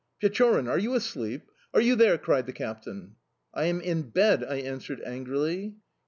"Pechorin! Are you asleep? Are you there?"... cried the captain. "I am in bed," I answered angrily.